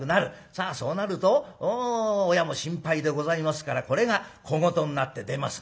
さあそうなると親も心配でございますからこれが小言になって出ますな。